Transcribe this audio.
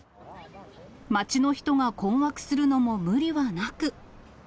街の人が困惑するのも無理はなく。